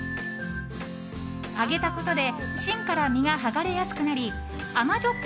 揚げたことで芯から実が剥がれやすくなり甘じょっ